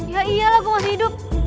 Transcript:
ya iyalah gue mau hidup